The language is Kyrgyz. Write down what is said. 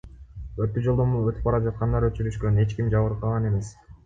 Өрттү жолдон өтүп бараткандар өчүрүшкөн, эч ким жабыркаган эмес.